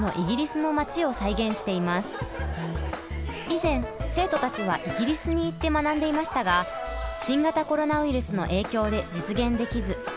以前生徒たちはイギリスに行って学んでいましたが新型コロナウイルスの影響で実現できず。